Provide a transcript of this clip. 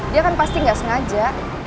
dia kan pasti nggak sengaja